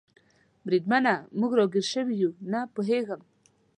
بریدمنه، موږ را ګیر شوي یو؟ نه پوهېږم.